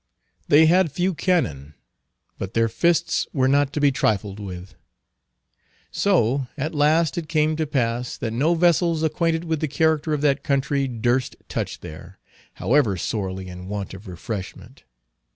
They had few cannon, but their fists were not to be trifled with. So at last it came to pass that no vessels acquainted with the character of that country durst touch there, however sorely in want of refreshment.